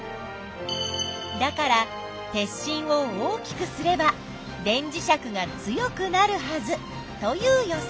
だから鉄しんを大きくすれば電磁石が強くなるはずという予想。